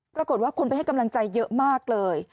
ปรากฏว่าคนไปให้กำลังใจเยอะมากเลย